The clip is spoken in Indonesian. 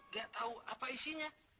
gak tau apa isinya